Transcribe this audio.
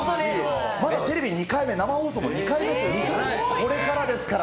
テレビ２回、生放送も２回目ということで、これからですから。